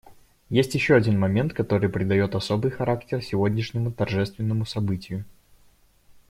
Есть еще один момент, который придает особый характер сегодняшнему торжественному событию.